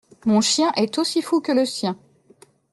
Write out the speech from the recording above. Mon chien est aussi fou que le sien.